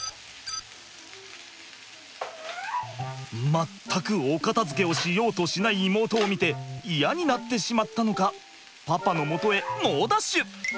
全くお片づけをしようとしない妹を見て嫌になってしまったのかパパのもとへ猛ダッシュ！